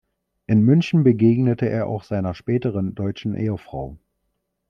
In München begegnete er auch seiner späteren deutschen Ehefrau.